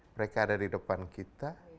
mereka ada di depan kita